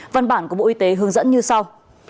văn bản của bộ y tế hướng dẫn như sau